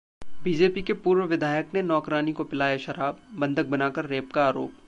BJP के पूर्व विधायक ने नौकरानी को पिलाया शराब, बंधक बनाकर रेप का आरोप